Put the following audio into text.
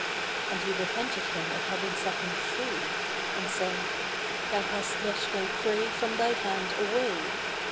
And he repented him of having set him free and said, "Thou hast let thy prey from thy hand away."